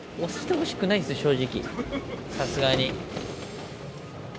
正直さすがに。